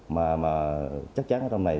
mà mà chắc chắn ở trong này